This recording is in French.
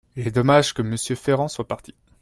Il est dommage que Monsieur Ferrand soit parti.